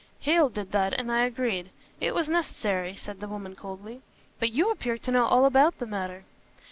"Hale did that and I agreed. It was necessary," said the woman coldly, "but you appear to know all about the matter."